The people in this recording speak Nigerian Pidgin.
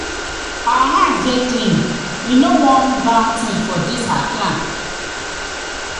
Our hands dey clean, we no wan bad tinz for dis our clan.